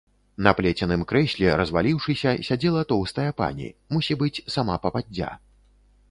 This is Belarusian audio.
На плеценым крэсле, разваліўшыся, сядзела тоўстая пані, мусібыць, сама пападдзя.